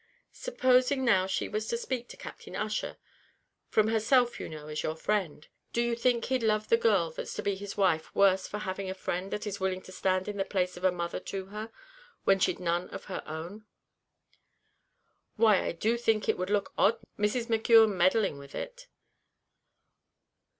Supposing, now, she was to speak to Captain Ussher from herself, you know, as your friend do you think he'd love the girl that's to be his wife worse for having a friend that was willing to stand in the place of a mother to her, when she'd none of her own?" "Why, I do think it would look odd, Mrs. McKeon meddling with it."